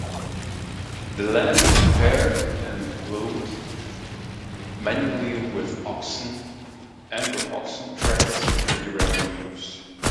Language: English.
The land is prepared and ploughed manually and with oxen, tractors are rarely used.